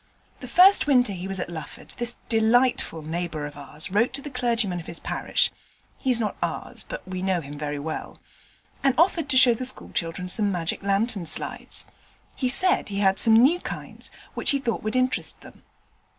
The first winter he was at Lufford this delightful neighbour of ours wrote to the clergyman of his parish (he's not ours, but we know him very well) and offered to show the school children some magic lantern slides. He said he had some new kinds, which he thought would interest them.